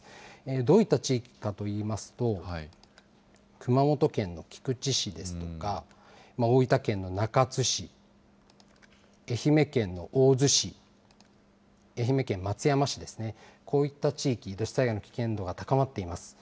どういった地域かといいますと、熊本県の菊池市ですとか、大分県の中津市、愛媛県の大洲市、愛媛県松山市ですね、こういった地域、土砂災害の危険度が高まっています。